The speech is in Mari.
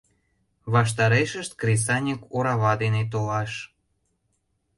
Ваштарешышт кресаньык орава дене толаш.